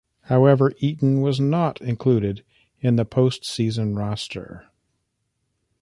However, Eaton was not included in the postseason roster.